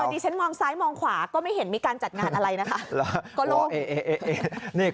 ดิฉันมองซ้ายมองขวาก็ไม่เห็นมีการจัดงานอะไรนะคะ